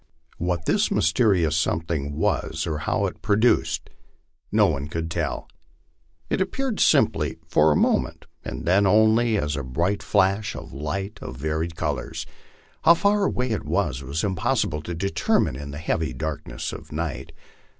What this mysterious something was, or how produced, no one could tell ; it appeared simply for a moment, and then only as a bright flash of light of varied colors ; how far away it was impossible to determine in the heavy darkness of the night.